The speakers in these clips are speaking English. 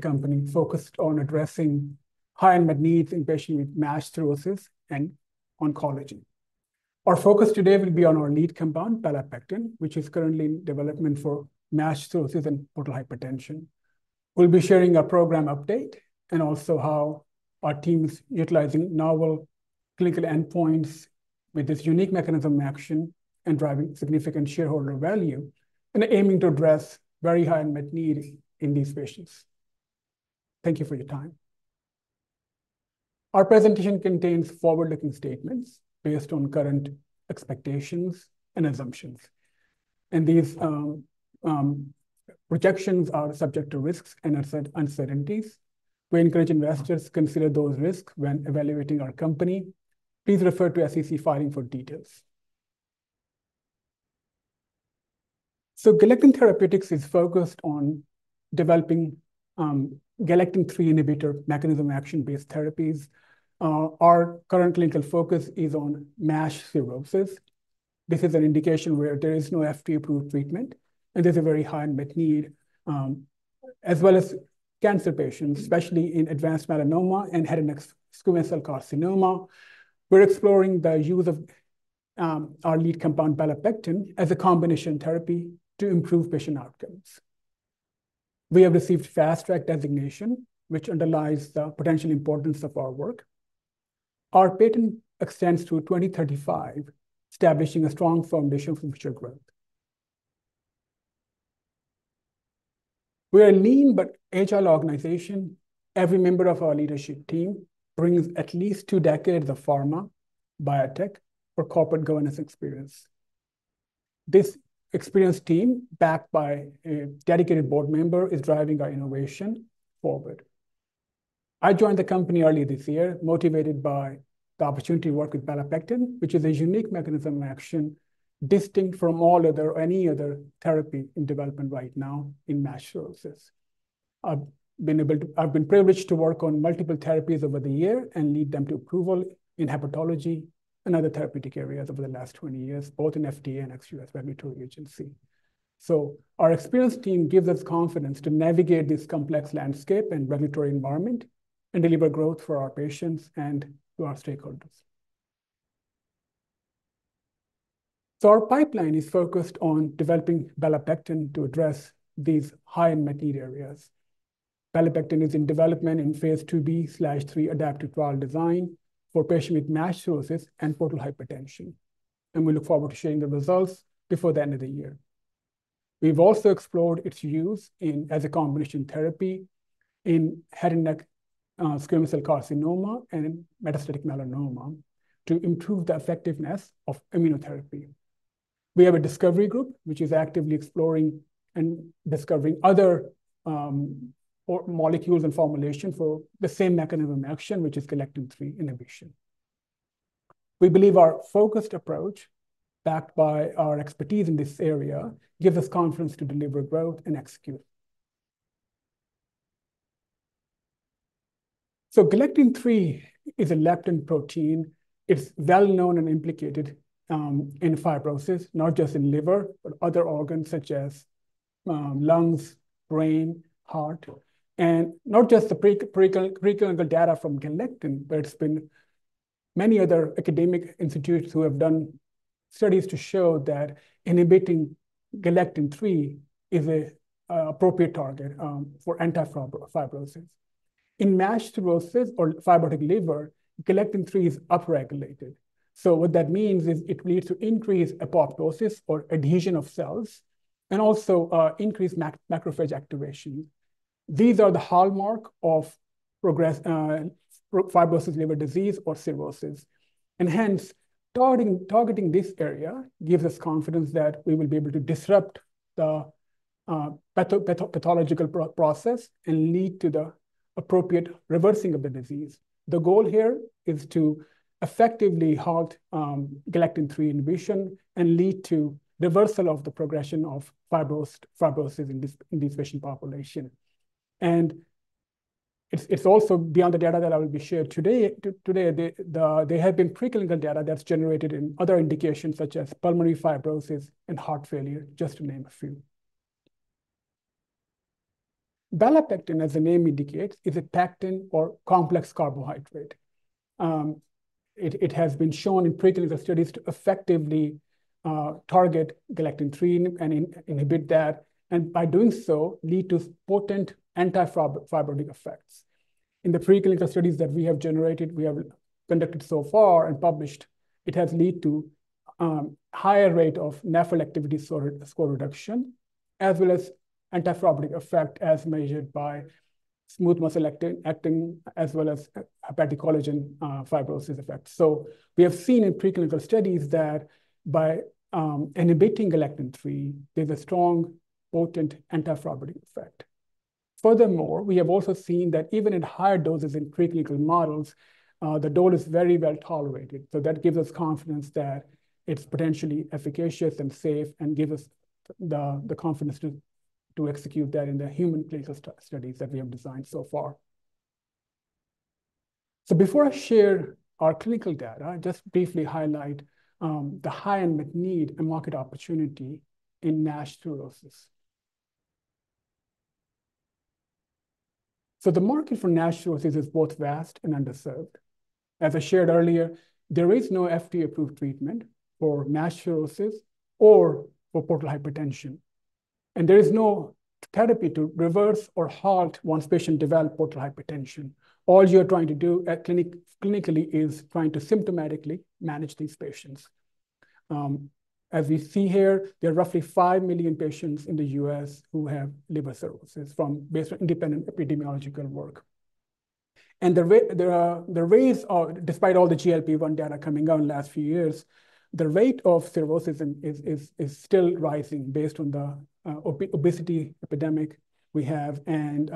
Company focused on addressing high unmet needs in patients with MASH cirrhosis and oncology. Our focus today will be on our lead compound, belapectin, which is currently in development for MASH cirrhosis and portal hypertension. We'll be sharing a program update and also how our team is utilizing novel clinical endpoints with this unique mechanism of action and driving significant shareholder value, and aiming to address very high unmet need in these patients. Thank you for your time. Our presentation contains forward-looking statements based on current expectations and assumptions, and these projections are subject to risks and uncertainties. We encourage investors to consider those risks when evaluating our company. Please refer to our SEC filing for details. Galectin Therapeutics is focused on developing galectin-3 inhibitor mechanism action-based therapies. Our current clinical focus is on MASH cirrhosis. This is an indication where there is no FDA-approved treatment, and there's a very high unmet need, as well as cancer patients, especially in advanced melanoma and head and neck squamous cell carcinoma. We're exploring the use of our lead compound, belapectin, as a combination therapy to improve patient outcomes. We have received Fast Track designation, which underlies the potential importance of our work. Our patent extends to 2035, establishing a strong foundation for future growth. We are a lean but agile organization. Every member of our leadership team brings at least two decades of pharma, biotech, or corporate governance experience. This experienced team, backed by a dedicated board member, is driving our innovation forward. I joined the company early this year, motivated by the opportunity to work with belapectin, which is a unique mechanism of action, distinct from all other, any other therapy in development right now in MASH cirrhosis. I've been able to. I've been privileged to work on multiple therapies over the year and lead them to approval in hepatology and other therapeutic areas over the last twenty years, both in FDA and ex-US regulatory agency, so our experienced team gives us confidence to navigate this complex landscape and regulatory environment and deliver growth for our patients and to our stakeholders, so our pipeline is focused on developing belapectin to address these high unmet need areas. Belapectin is in development in phase IIb/III adaptive trial design for patients with MASH cirrhosis and portal hypertension, and we look forward to sharing the results before the end of the year. We've also explored its use in as a combination therapy in head and neck squamous cell carcinoma and metastatic melanoma to improve the effectiveness of immunotherapy. We have a discovery group, which is actively exploring and discovering other, or molecules and formulations for the same mechanism of action, which is galectin-3 inhibition. We believe our focused approach, backed by our expertise in this area, gives us confidence to deliver growth and execute. Galectin-3 is a lectin protein. It's well known and implicated in fibrosis, not just in liver, but other organs such as lungs, brain, heart, and not just the preclinical data from Galectin, but it's been many other academic institutes who have done studies to show that inhibiting galectin-3 is a appropriate target for anti-fibrosis. In MASH cirrhosis or fibrotic liver, galectin-3 is upregulated. So what that means is it leads to increased apoptosis or adhesion of cells and also increased macrophage activation. These are the hallmark of progressive fibrosis, liver disease, and cirrhosis. Hence, targeting this area gives us confidence that we will be able to disrupt the pathological process and lead to the appropriate reversing of the disease. The goal here is to effectively halt galectin-3 inhibition and lead to reversal of the progression of fibrosis in this patient population. And it's also beyond the data that I will be sharing today. Today, there have been preclinical data that's generated in other indications, such as pulmonary fibrosis and heart failure, just to name a few. Belapectin, as the name indicates, is a pectin or complex carbohydrate. It has been shown in preclinical studies to effectively target galectin-3 and inhibit that, and by doing so, lead to potent anti-fibrotic effects. In the preclinical studies that we have generated, we have conducted so far and published, it has lead to higher rate of NAFLD activity score reduction, as well as anti-fibrotic effect, as measured by smooth muscle actin, as well as hepatic collagen fibrosis effects. We have seen in preclinical studies that by inhibiting galectin-3, there's a strong, potent anti-fibrotic effect. Furthermore, we have also seen that even at higher doses in preclinical models, the dose is very well tolerated. That gives us confidence that it's potentially efficacious and safe and gives us the confidence to execute that in the human clinical studies that we have designed so far. So before I share our clinical data, I just briefly highlight the high unmet need and market opportunity in NASH cirrhosis. So the market for NASH cirrhosis is both vast and underserved. As I shared earlier, there is no FDA-approved treatment for NASH cirrhosis or for portal hypertension, and there is no therapy to reverse or halt once patient develop portal hypertension. All you're trying to do at clinic, clinically, is trying to symptomatically manage these patients. As we see here, there are roughly five million patients in the U.S. who have liver cirrhosis from NASH based on independent epidemiological work. The rates are, despite all the GLP-1 data coming out in the last few years, the rate of cirrhosis is still rising based on the obesity epidemic we have and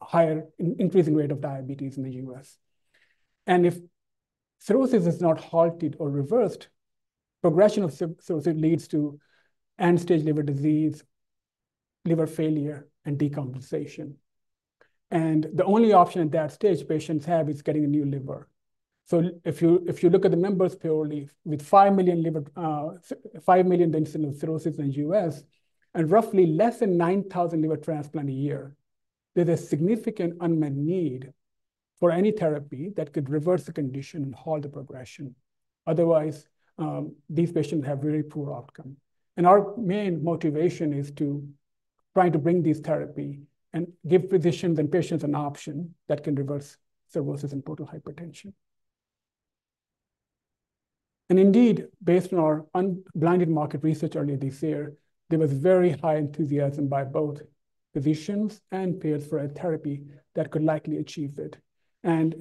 higher, increasing rate of diabetes in the US. If cirrhosis is not halted or reversed, progression of cirrhosis leads to end-stage liver disease, liver failure, and decompensation. The only option at that stage patients have is getting a new liver. If you look at the numbers purely, with five million incidents of cirrhosis in the US and roughly less than nine thousand liver transplant a year, there is a significant unmet need for any therapy that could reverse the condition and halt the progression. Otherwise, these patients have very poor outcome. Our main motivation is to try to bring this therapy and give physicians and patients an option that can reverse cirrhosis and portal hypertension. Indeed, based on our unblinded market research earlier this year, there was very high enthusiasm by both physicians and payers for a therapy that could likely achieve it. And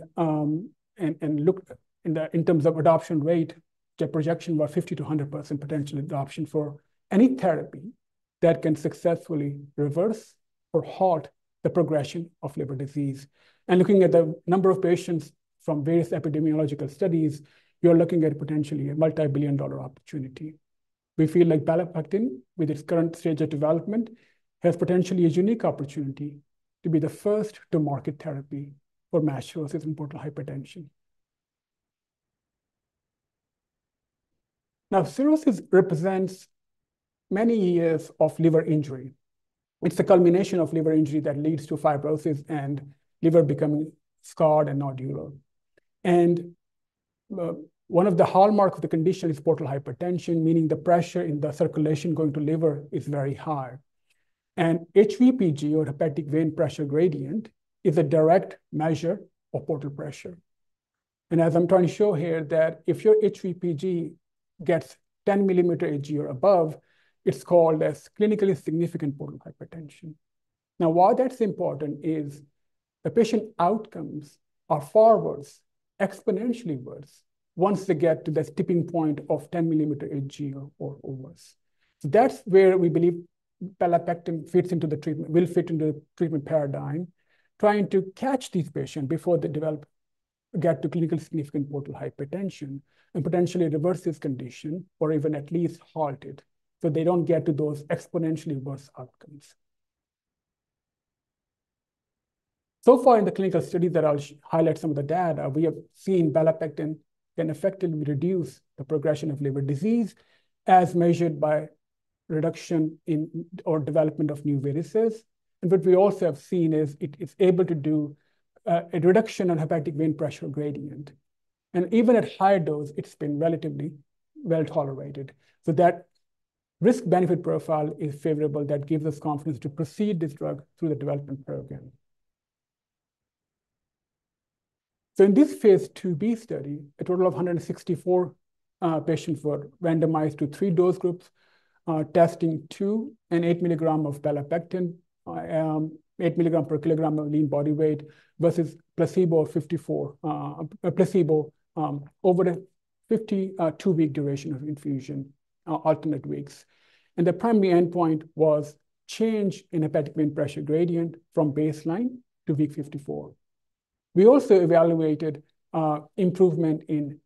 look, in terms of adoption rate, the projection was 50% to 100% potential adoption for any therapy that can successfully reverse or halt the progression of liver disease. And looking at the number of patients from various epidemiological studies, you're looking at potentially a multi-billion dollar opportunity. We feel like belapectin, with its current stage of development, has potentially a unique opportunity to be the first-to-market therapy for NASH cirrhosis and portal hypertension. Now, cirrhosis represents many years of liver injury. It's the culmination of liver injury that leads to fibrosis and liver becoming scarred and nodular. And, one of the hallmark of the condition is portal hypertension, meaning the pressure in the circulation going to liver is very high. And HVPG, or hepatic vein pressure gradient, is a direct measure of portal pressure. And as I'm trying to show here, that if your HVPG gets 10 mm Hg or above, it's called as clinically significant portal hypertension. Now, why that's important is the patient outcomes are far worse, exponentially worse, once they get to that tipping point of 10 mm Hg or worse. So that's where we believe belapectin fits into the treatment will fit into the treatment paradigm, trying to catch these patients before they develop, get to clinically significant portal hypertension and potentially reverse this condition, or even at least halt it, so they don't get to those exponentially worse outcomes. So far in the clinical study that I'll highlight some of the data, we have seen belapectin can effectively reduce the progression of liver disease as measured by reduction in or development of new varices. And what we also have seen is it, it's able to do a reduction in hepatic vein pressure gradient, and even at higher dose, it's been relatively well-tolerated. So that risk-benefit profile is favorable. That gives us confidence to proceed this drug through the development program. In this phase IIb study, a total of 164 patients were randomized to three dose groups, testing 2 and 8 milligrams of belapectin, 8 milligrams per kilogram of lean body weight, versus placebo, 54 to placebo, over a 52-week duration of infusion, alternate weeks. The primary endpoint was change in hepatic vein pressure gradient from baseline to week 54. We also evaluated improvement in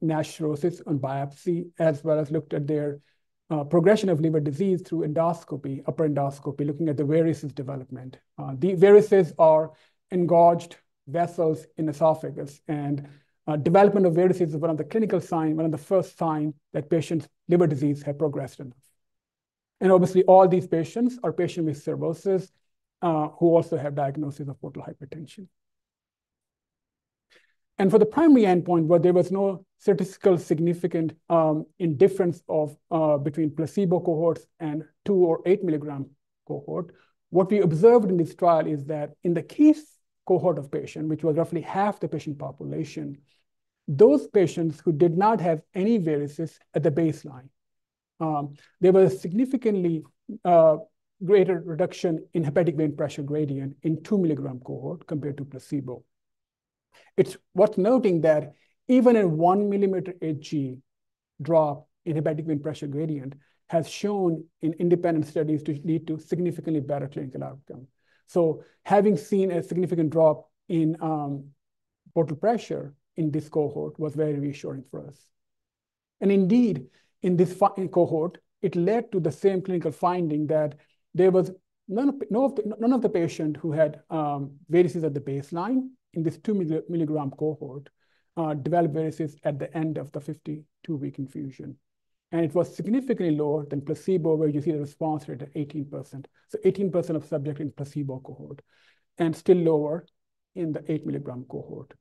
NASH cirrhosis on biopsy, as well as looked at their progression of liver disease through endoscopy, upper endoscopy, looking at the varices development. The varices are engorged vessels in esophagus, and development of varices is one of the clinical signs, one of the first signs that patients' liver disease have progressed enough. Obviously, all these patients are patients with cirrhosis who also have diagnosis of portal hypertension. For the primary endpoint, where there was no statistical significant in difference of between placebo cohorts and two or eight milligram cohort, what we observed in this trial is that in the case cohort of patient, which was roughly half the patient population, those patients who did not have any varices at the baseline, there was a significantly greater reduction in hepatic vein pressure gradient in two milligram cohort compared to placebo. It's worth noting that even a one millimeter Hg drop in hepatic vein pressure gradient has shown in independent studies to lead to significantly better clinical outcome. Having seen a significant drop in portal pressure in this cohort was very reassuring for us. Indeed, in this cohort, it led to the same clinical finding that there was none of the patients who had varices at the baseline in this two milligram cohort developed varices at the end of the 52-week infusion. And it was significantly lower than placebo, where you see the response rate at 18%. So 18% of subjects in placebo cohort, and still lower in the 8-milligram cohort.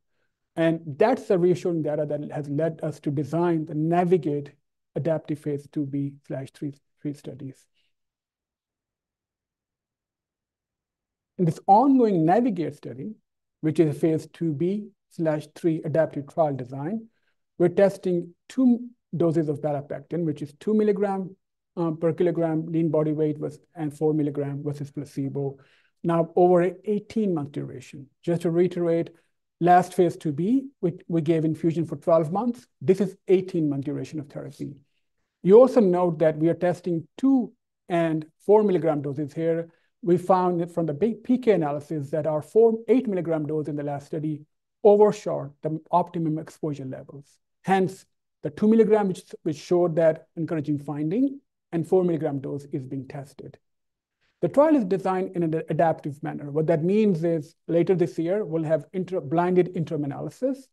And that's the reassuring data that has led us to design the NAVIGATE adaptive phase IIb/III studies. In this ongoing NAVIGATE study, which is a phase IIb/III adaptive trial design, we're testing two doses of belapectin, which is two milligram per kilogram lean body weight versus and four milligram versus placebo. Now over 18-month duration. Just to reiterate, last phase IIb, we gave infusion for 12 months. This is eighteen-month duration of therapy. You also note that we are testing two and four milligram doses here. We found it from the big PK analysis that our four eight milligram dose in the last study overshot the optimum exposure levels. Hence, the two milligram, which showed that encouraging finding and four milligram dose is being tested. The trial is designed in an adaptive manner. What that means is, later this year, we'll have interim blinded interim analysis,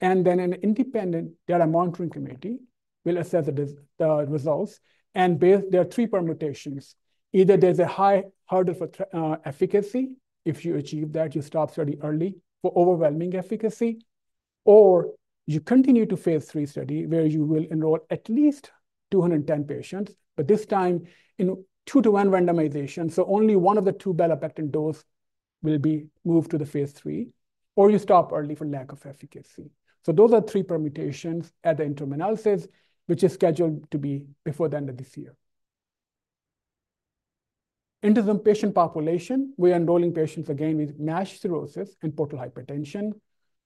and then an independent data monitoring committee will assess the results. There are three permutations. Either there's a high hurdle for the efficacy. If you achieve that, you stop study early for overwhelming efficacy, or you continue to phase III study, where you will enroll at least 210 patients, but this time in two-to-one randomization, so only one of the two belapectin dose will be moved to the phase III, or you stop early for lack of efficacy. So those are three permutations at the interim analysis, which is scheduled to be before the end of this year. Into the patient population, we're enrolling patients again with NASH cirrhosis and portal hypertension.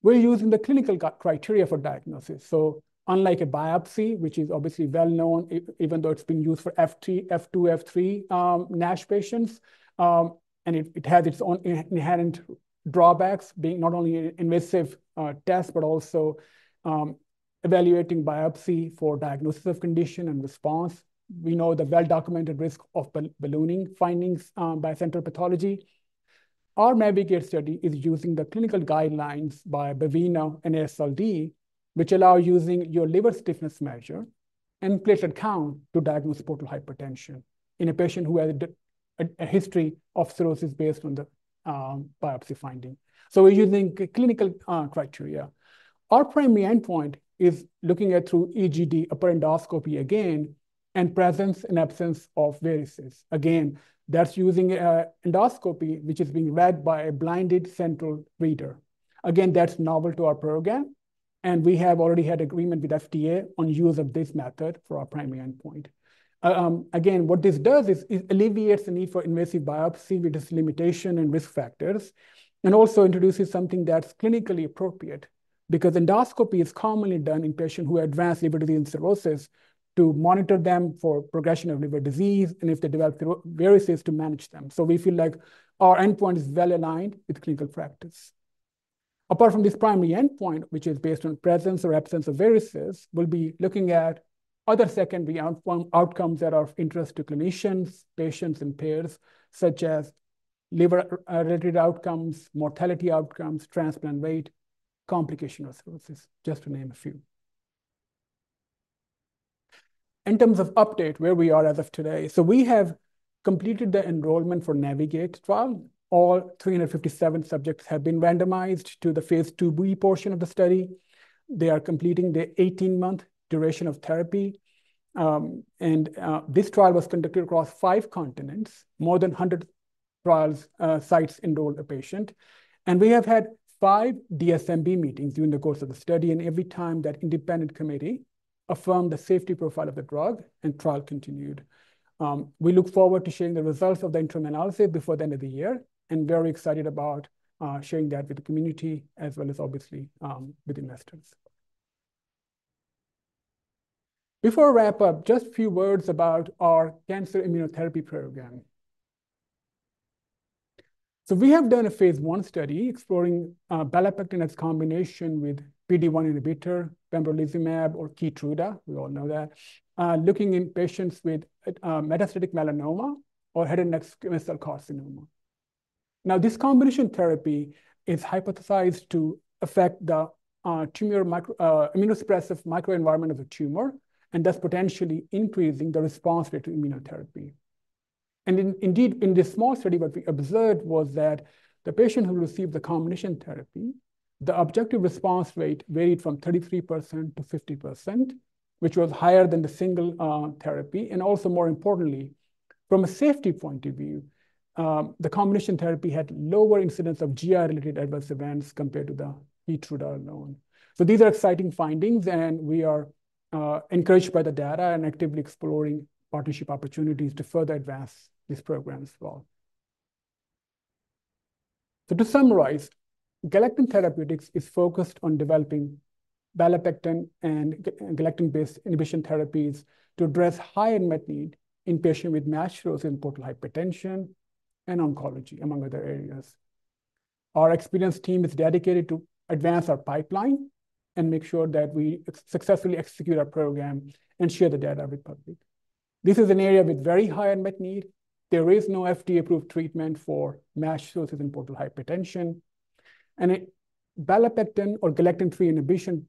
We're using the clinical criteria for diagnosis. So unlike a biopsy, which is obviously well known even though it's been used for F2, F3, NASH patients, and it has its own inherent drawbacks, being not only an invasive test, but also evaluating biopsy for diagnosis of condition and response. We know the well-documented risk of ballooning findings by central pathology. Our NAVIGATE study is using the clinical guidelines by Baveno and AASLD, which allow using your liver stiffness measure and platelet count to diagnose portal hypertension in a patient who has a history of cirrhosis based on the biopsy finding. We're using clinical criteria. Our primary endpoint is looking at through EGD upper endoscopy again, and presence and absence of varices. Again, that's using endoscopy, which is being read by a blinded central reader. Again, that's novel to our program, and we have already had agreement with FDA on use of this method for our primary endpoint. Again, what this does is alleviates the need for invasive biopsy, with its limitation and risk factors, and also introduces something that's clinically appropriate. Because endoscopy is commonly done in patients who have advanced liver disease and cirrhosis to monitor them for progression of liver disease and if they develop varices, to manage them. So we feel like our endpoint is well aligned with clinical practice. Apart from this primary endpoint, which is based on presence or absence of varices, we'll be looking at other secondary outcomes that are of interest to clinicians, patients, and payers, such as liver-related outcomes, mortality outcomes, transplant rate, complication resources, just to name a few. In terms of update, where we are as of today. We have completed the enrollment for NAVIGATE trial. All 357 subjects have been randomized to the phase 2b portion of the study. They are completing the 18-month duration of therapy. This trial was conducted across five continents. More than 100 trial sites enrolled a patient. We have had five DSMB meetings during the course of the study, and every time, that independent committee affirmed the safety profile of the drug, and trial continued. We look forward to sharing the results of the interim analysis before the end of the year, and very excited about sharing that with the community as well as obviously with investors. Before I wrap up, just a few words about our cancer immunotherapy program. We have done a phase I study exploring belapectin as combination with PD-1 inhibitor, pembrolizumab or Keytruda, we all know that, looking in patients with metastatic melanoma or head and neck squamous cell carcinoma. Now, this combination therapy is hypothesized to affect the tumor immunosuppressive microenvironment of the tumor and thus potentially increasing the response rate to immunotherapy. Indeed, in this small study, what we observed was that the patient who received the combination therapy, the objective response rate varied from 33%-50%, which was higher than the single therapy. Also, more importantly, from a safety point of view, the combination therapy had lower incidence of GI-related adverse events compared to the Keytruda alone. These are exciting findings, and we are encouraged by the data and actively exploring partnership opportunities to further advance this program as well. To summarize, Galectin Therapeutics is focused on developing belapectin and galectin-based inhibition therapies to address high unmet need in patients with NASH cirrhosis and portal hypertension and oncology, among other areas. Our experienced team is dedicated to advance our pipeline and make sure that we successfully execute our program and share the data with public. This is an area with very high unmet need. There is no FDA-approved treatment for NASH cirrhosis and portal hypertension. And it, belapectin or Galectin-3 inhibition,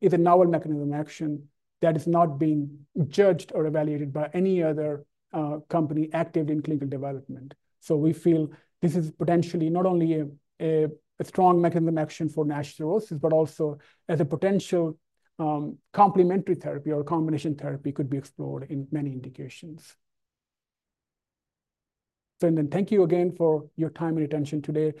is a novel mechanism action that is not being judged or evaluated by any other company active in clinical development. We feel this is potentially not only a strong mechanism of action for NASH cirrhosis, but also as a potential complementary therapy or combination therapy could be explored in many indications. Then thank you again for your time and attention today.